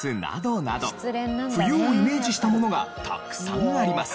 冬をイメージしたものがたくさんあります。